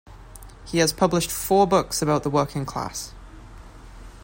He has published four books about the working class.